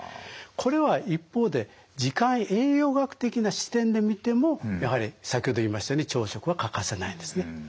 これは一方で時間栄養学的な視点で見てもやはり先ほど言いましたように朝食は欠かせないんですね。